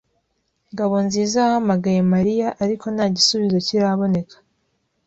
Ngabonziza yahamagaye Mariya, ariko nta gisubizo kiboneka.